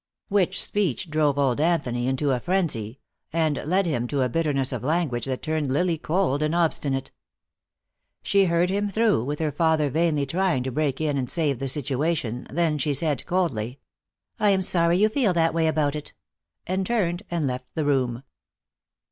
Which speech drove old Anthony into a frenzy, and led him to a bitterness of language that turned Lily cold and obstinate. She heard him through, with her father vainly trying to break in and save the situation; then she said, coldly: "I am sorry you feel that way about it," and turned and left the room.